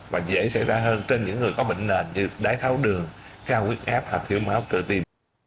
và dễ xảy ra hơn trên những người có bệnh nền như đáy tháo đường cao quyết áp hoặc thiếu máu cơ tim